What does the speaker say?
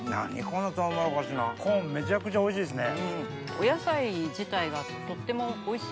コーンめちゃくちゃおいしいですね。